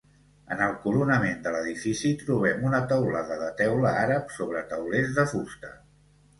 En el coronament de l'edifici trobem una teulada de teula àrab sobre taulers de fusta.